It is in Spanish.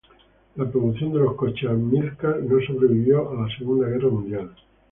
La producción de los coches Amilcar no sobrevivió a la Segunda Guerra Mundial.